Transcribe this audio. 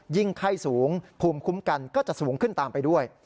ไข้สูงภูมิคุ้มกันก็จะสูงขึ้นตามไปด้วย